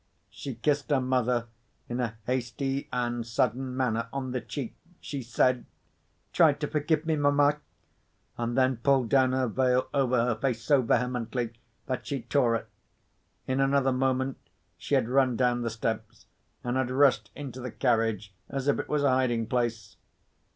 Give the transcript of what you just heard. She kissed her mother in a hasty and sudden manner on the cheek. She said, "Try to forgive me, mamma"—and then pulled down her veil over her face so vehemently that she tore it. In another moment she had run down the steps, and had rushed into the carriage as if it was a hiding place.